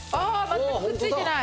全くくっついてない。